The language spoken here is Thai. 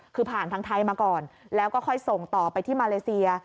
คือผ่านทางไทยมาก่อนแล้วก็ค่อยส่งต่อไปที่มาเลเซีย